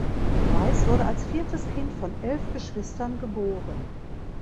Weiß wurde als viertes Kind von elf Geschwistern geboren.